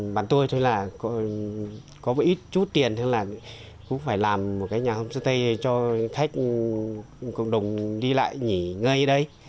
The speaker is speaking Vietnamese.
bạn tôi thôi là có một ít chút tiền thôi là cũng phải làm một cái nhà homestay cho khách cộng đồng đi lại nghỉ ngơi ở đây